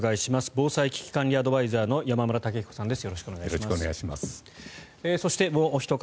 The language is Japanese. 防災・危機管理アドバイザーの山村武彦さんです。